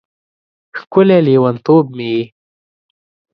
ښکلی لیونتوب مې یې